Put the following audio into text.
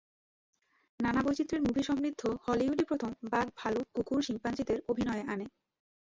নানা বৈচিত্র্যের মুভিসমৃদ্ধ হলিউডই প্রথম বাঘ ভালুক কুকুর শিম্পাঞ্জিদের অভিনয়ে আনে।